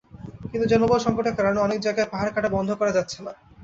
কিন্তু জনবলসংকটের কারণে অনেক জায়গায় পাহাড় কাটা বন্ধ করা যাচ্ছে না।